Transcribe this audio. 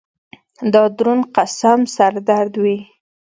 دا درون قسم سر درد وي